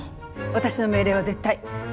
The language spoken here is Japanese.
私の命令は絶対。